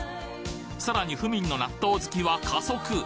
さらに府民の納豆好きは加速